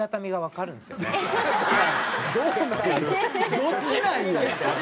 どっちなん？